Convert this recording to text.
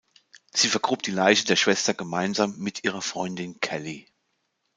Sie vergrub die Leiche der Schwester gemeinsam mit ihrer Freundin Kelly.